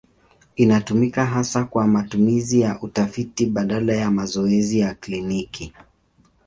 Inatumika hasa kwa matumizi ya utafiti badala ya mazoezi ya kliniki.